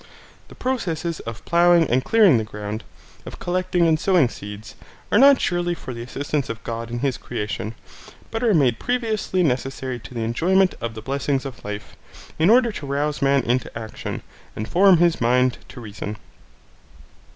The processes of ploughing and clearing the ground, of collecting and sowing seeds, are not surely for the assistance of God in his creation, but are made previously necessary to the enjoyment of the blessings of life, in order to rouse man into action, and form his mind to reason.